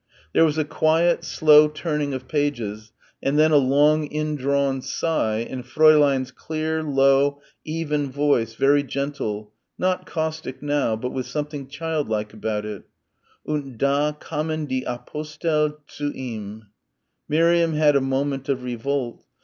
There was a quiet, slow turning of pages, and then a long indrawn sigh and Fräulein's clear, low, even voice, very gentle, not caustic now but with something child like about it, "Und da kamen die Apostel zu Ihm...." Miriam had a moment of revolt.